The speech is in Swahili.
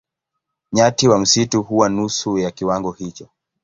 Nyati wa msitu huwa nusu ya kiwango hicho.